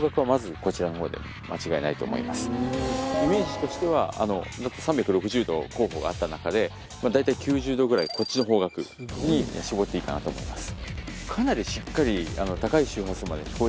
イメージとしては３６０度候補があった中でだいたい９０度ぐらいこっちの方角に絞っていいかなと思います。